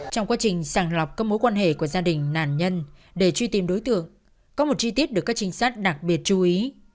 trong quá trình sàng lọc các mối quan hệ của gia đình nạn nhân để truy tìm đối tượng có một chi tiết được các trinh sát đặc biệt chú ý